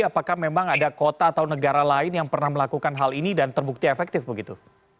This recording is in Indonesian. apakah memang ada kota atau negara lain yang pernah melakukan hal ini dan terbukti efektif begitu